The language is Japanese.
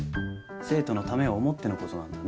生徒のためを思ってのことなんだね？